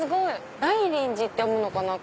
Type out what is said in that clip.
大林寺って読むのかな？